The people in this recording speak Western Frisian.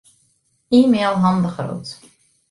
E-mail Han de Groot.